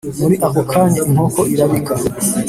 Muri ako kanya inkoko irabika